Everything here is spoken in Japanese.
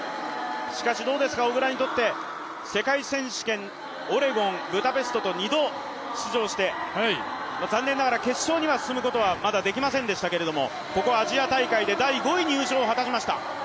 しかし、小椋にとって世界選手権オレゴン、ブダペストと２度出場して、残念ながら決勝には進むことはまだできませんでしたがここアジア大会で第５位入賞を果たしました。